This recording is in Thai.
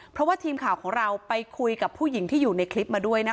เพราะว่าทีมข่าวของเราไปคุยกับผู้หญิงที่อยู่ในคลิปมาด้วยนะคะ